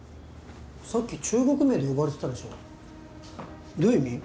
さっき中国名で呼ばれてたでしょどういう意味？